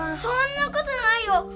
そんなことないよ！